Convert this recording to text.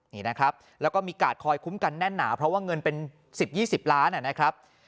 นี่นะครับแล้วก็มีกาดคอยคุ้มกันแน่นหนาเพราะว่าเงินเป็น๑๐๒๐ล้านนะครับ